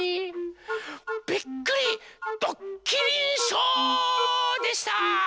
びっくりどっきりショーでした！